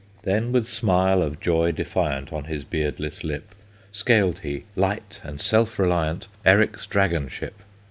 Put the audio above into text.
Then, with smile of joy defiant On his beardless lip, Scaled he, light and self reliant, Eric's dragon ship.